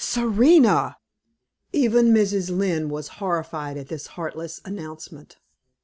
"Serena!" Even Mrs. Lynne was horrified at this heartless announcement.